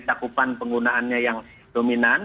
sakupan penggunaannya yang dominan